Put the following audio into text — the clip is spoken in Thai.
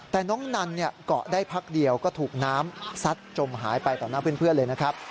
แต่น้องนันเกาะได้พักเดียวก็ถูกน้ำซัดจมหายไปต่อหน้าเพื่อนเลยนะครับ